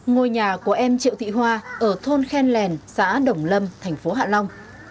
ngôi nhà của em triệu thị hoa ở thôn khen lèn xã đồng lâm thành phố hạ long